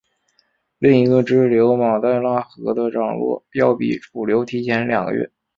另一个支流马代腊河的涨落要比主流提前两个月。